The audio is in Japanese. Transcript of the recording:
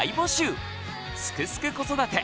「すくすく子育て」